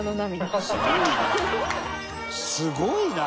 すごいね。